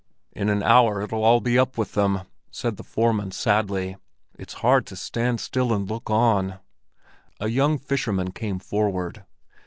"In an hour it'll be all up with them," said the foreman sadly. "It's hard to stand still and look on." A young fisherman came forward.